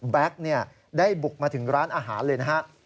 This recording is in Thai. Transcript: ได้บุกมาถึงร้านอาหารเลยนะฮะ